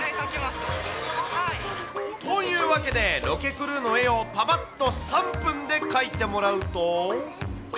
ああ、というわけで、ロケクルーの絵をぱぱっと３分で描いてもらうと。